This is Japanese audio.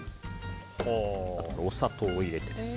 あと、お砂糖を入れてですね。